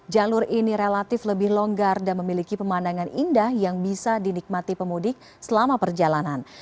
jalur ini relatif lebih longgar dan memiliki pemandangan indah yang bisa dinikmati pemudik selama perjalanan